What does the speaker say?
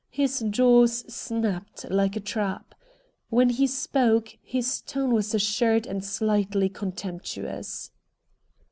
His jaws snapped like a trap. When he spoke his tone was assured and slightly contemptuous.